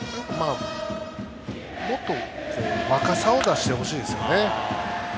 もっと若さを出してほしいですね。